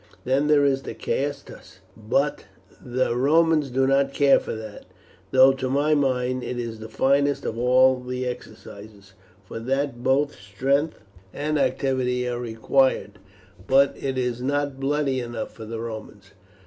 Then there is the caestus, but the Romans do not care for that, though, to my mind, it is the finest of all the exercises; for that both strength and activity are required, but it is not bloody enough for the Romans.